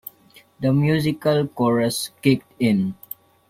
The musical chorus kicked in.